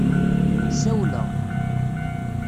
Ssawleɣ.